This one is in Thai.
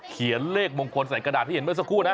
เขียนเลขมงคลใส่กระดาษที่เห็นเมื่อสักครู่นะ